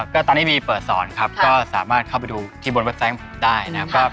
ก็ตอนนี้มีเปิดสอนครับก็สามารถเข้าไปดูที่บนเว็บไซต์ได้นะครับ